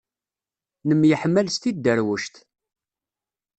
Nemyeḥmal s tidderwect.